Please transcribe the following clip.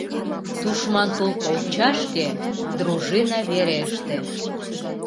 Тушман тул колчашке дружина вереште.